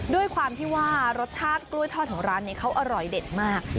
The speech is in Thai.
ด้วยความที่ว่ารสชาติกล้วยทอดของร้านนี้เขาอร่อยเด็ดมาก